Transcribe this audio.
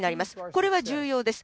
これは重要です。